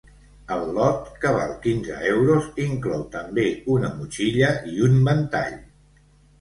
El lot, que val quinze euros, inclou també una motxilla i un ventall.